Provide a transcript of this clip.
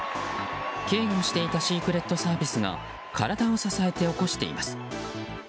警護していたシークレットサービスが体を支えて起こしています。